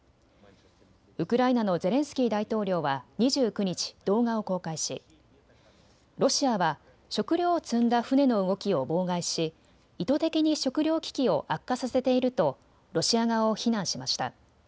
ウクライナのゼレンスキー大統領は２９日、動画を公開しロシアは食料を積んだ船の動きを妨害し意図的に食料危機を悪化させているとロシア側を非難しました。